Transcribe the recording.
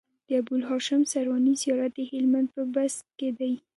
د ابوالهاشم سرواني زيارت د هلمند په بست کی دی